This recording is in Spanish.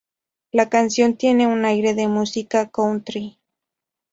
La canción tiene un aire de música country.